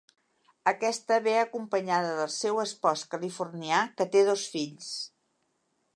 Aquesta ve acompanyada del seu espòs californià que té dos fills.